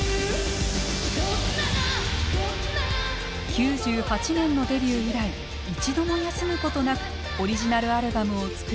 ９８年のデビュー以来一度も休むことなくオリジナルアルバムを作り